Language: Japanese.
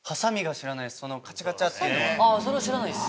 それは知らないっす。